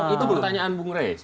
itu pertanyaan bung reis